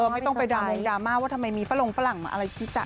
ไม่ต้องไปดรามงดราม่าว่าทำไมมีฝรงฝรั่งมาอะไรที่จะ